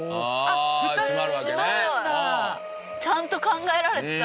ちゃんと考えられてた。